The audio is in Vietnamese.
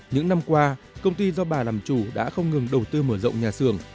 những năm qua công ty do bà làm chủ đã không ngừng đầu tư mở rộng nhà xưởng